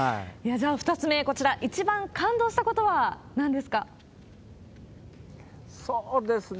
じゃあ２つ目、一番感動したことはなんですか？